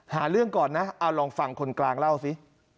หาเรื่องก่อนนะเอาลองฟังคนกลางเล่าสิ